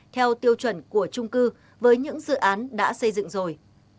theo tiêu chuẩn của trung cư với những dự án đã xây dựng rồi